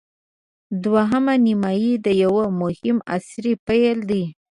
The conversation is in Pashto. دوهمه نیمايي د یوه مهم عصر پیل دی.